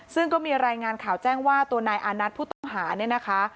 ซึ่งก็มีรายงานข่าวแจ้งว่าตัวนายอานัทผู้ต้องหาเนี่ยนะคะ